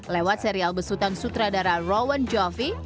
lewat serial besutan sutradara rowan joffey